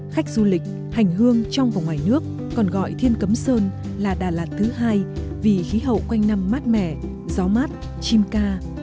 khách du lịch hành hương trong và ngoài nước còn gọi thiên cấm sơn là đà lạt thứ hai vì khí hậu quanh năm mát mẻ gió mát chim ca